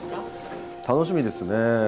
楽しみですね。